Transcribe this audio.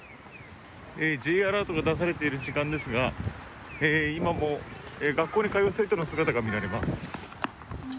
Ｊアラートが出されている時間ですが今も、学校に通う生徒の姿が見られます。